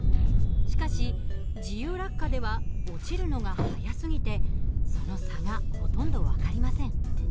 しかし自由落下では落ちるのが速すぎてその差がほとんど分かりません。